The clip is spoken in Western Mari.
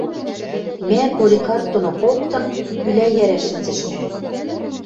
мӓ Поликарп доно коктын пӱлӓ йӓрӓ шӹнзӹшнӓ.